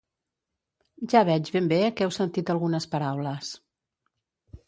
Ja veig ben bé que heu sentit algunes paraules.